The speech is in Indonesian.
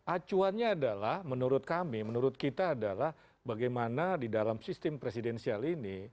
acuannya adalah menurut kami menurut kita adalah bagaimana di dalam sistem presidensial ini